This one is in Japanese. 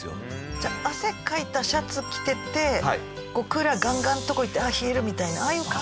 じゃあ汗かいたシャツ着ててクーラーガンガンの所に行って冷えるみたいなああいう感じ？